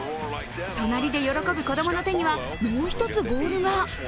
隣で喜ぶ子供の手にはもう一つボールが。